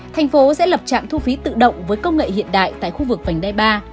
thành phố sẽ lập trạm thu phí tự động với công nghệ hiện đại tại khu vực vành đai ba